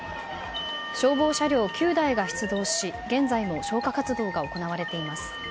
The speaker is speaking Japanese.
消防車両９台が出動し現在も消火活動が行われています。